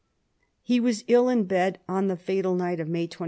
He was ill in bed on the fatal night of May 29.